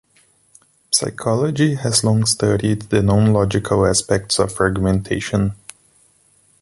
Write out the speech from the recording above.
Psychology has long studied the non-logical aspects of argumentation.